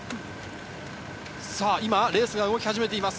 レースが動き始めています。